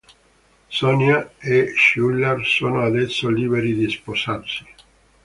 Sonia e Schuyler sono adesso liberi di sposarsi.